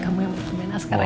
kamu yang mau main askara ya